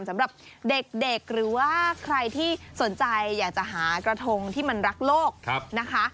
สำหรับเด็กหรือว่าใครที่สนใจอยากจะหากระทงที่มันรักโลกนะคะ